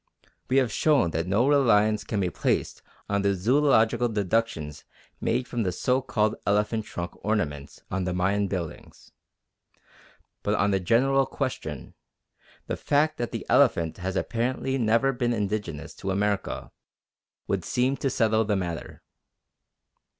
We have shown that no reliance can be placed on the zoological deductions made from the so called elephant trunk ornaments on the Mayan buildings. But on the general question, the fact that the elephant has apparently never been indigenous to America would seem to settle the matter.